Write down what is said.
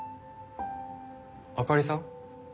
あかりさん？